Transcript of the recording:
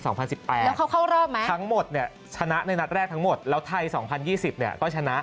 แล้วเขาเข้ารอบไหมทั้งหมดเนี่ยชนะในนัดแรกทั้งหมดแล้วไทย๒๐๒๐เนี่ยก็ชนะ